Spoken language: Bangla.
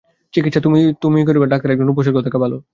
চিকিৎসা তো তুমিই করিবে, ডাক্তার একজন উপসর্গ থাকা ভালো।